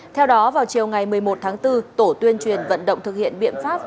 theo đó vào chiều ngày một mươi một tháng bốn tổ tuyên truyền vận động thực hiện biện pháp